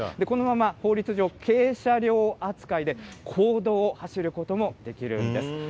このまま法律上、軽車両扱いで公道を走ることもできるんです。